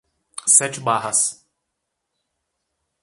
Sete Barras